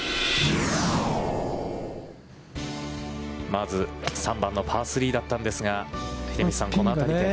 まず、３番のパー３だったんですが、秀道さん、この辺りで。